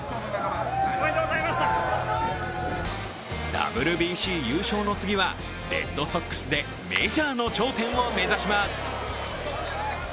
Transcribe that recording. ＷＢＣ優勝の次は、レッドソックスでメジャーの頂点を目指します。